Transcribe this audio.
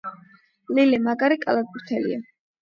ლილე მაგარი კალათბურთელია.